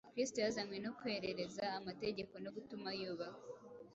Kristo yazanywe no kwerereza amategeko no gutuma yubahwa.